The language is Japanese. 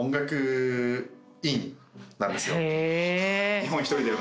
・日本１人。